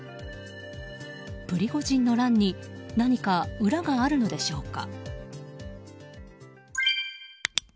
プリゴジンの乱に何か裏があるのでしょうか。